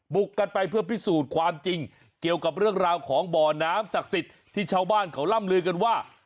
กันไปเพื่อพิสูจน์ความจริงเกี่ยวกับเรื่องราวของบ่อน้ำศักดิ์สิทธิ์ที่ชาวบ้านเขาล่ำลือกันว่า